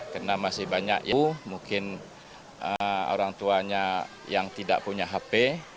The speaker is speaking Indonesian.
karena masih banyak ibu mungkin orang tuanya yang tidak punya hp